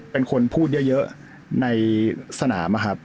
เป็นคนพูดเยอะในสนาม